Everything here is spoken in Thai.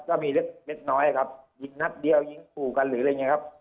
ก็มีเล็กน้อยครับยิงนัดเดียวยิงขู่กันหรืออะไรอย่างนี้ครับ